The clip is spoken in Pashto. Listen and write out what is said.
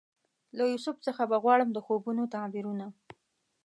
له یوسف څخه به غواړم د خوبونو تعبیرونه